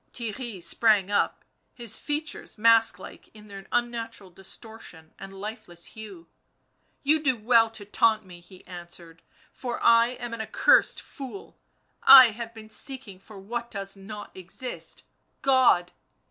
Theirry sprang up, his features mask like in their unnatural distortion and lifeless hue. "You do well to taunt me," he answered, " for I am an accursed fool, I have been seeking for what does not exist — God